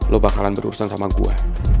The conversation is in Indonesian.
lo bakalan berurusan sama gue